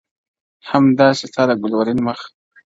o هم داسي ستا دا گل ورين مخ.